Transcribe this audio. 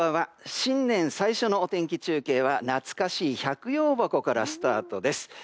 新年最初のお天気中継は懐かしい百葉箱からスタートです。